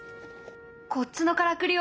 こっちのからくりを見て。